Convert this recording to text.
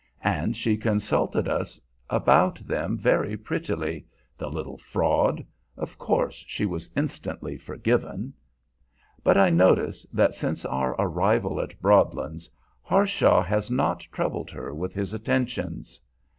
And she consulted us about them very prettily the little fraud! Of course she was instantly forgiven. But I notice that since our arrival at Broadlands, Harshaw has not troubled her with his attentions.